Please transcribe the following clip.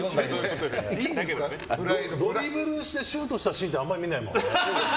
ドリブルしてシュートしたシーンあんまり見ないもん。